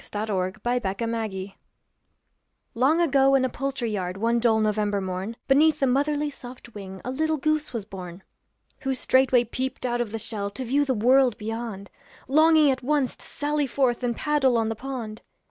Y Z The Lay of the Golden Goose LONG ago in a poultry yard One dull November morn, Beneath a motherly soft wing A little goose was born. Who straightway peeped out of the shell To view the world beyond, Longing at once to sally forth And paddle on the pond.